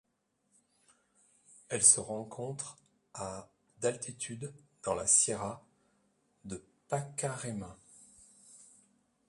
Elle se rencontre à d'altitude dans la sierra de Pacaraima.